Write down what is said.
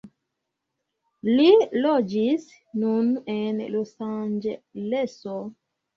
Li loĝis nun en Losanĝeleso.